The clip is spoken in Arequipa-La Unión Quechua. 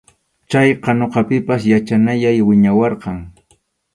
Chayqa ñuqapipas yachanayay wiñawarqan.